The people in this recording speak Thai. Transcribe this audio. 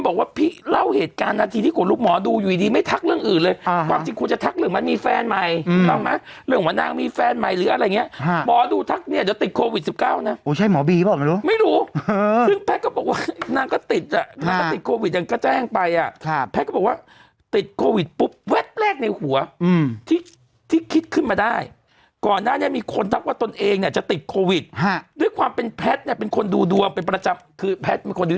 บริการนวดสปาครับทำผมทำเล็บแล้วก็บริการขนส่งสาธารณะนะฮะ